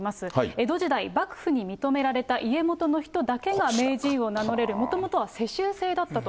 江戸時代、幕府に認められた家元の人だけが名人を名のれる、もともとは世襲制だったと。